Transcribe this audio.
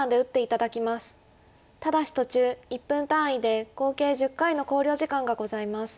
ただし途中１分単位で合計１０回の考慮時間がございます。